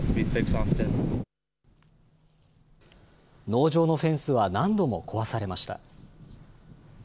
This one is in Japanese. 農場のフェンスは何度も壊されました。